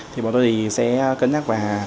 thì bọn tôi sẽ cân nhắc là